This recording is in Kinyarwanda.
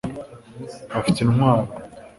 bafite intwaro